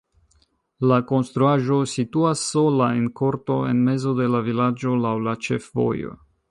La konstruaĵo situas sola en korto en mezo de la vilaĝo laŭ la ĉefvojo.